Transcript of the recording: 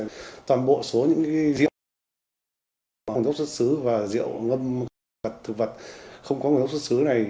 thì toàn bộ số những cái rượu có nguồn gốc xuất xứ và rượu ngâm thực vật không có nguồn gốc xuất xứ này